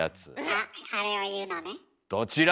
あっあれを言うのね。